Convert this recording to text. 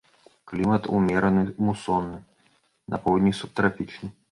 Клімат умераны мусонны, на поўдні субтрапічны.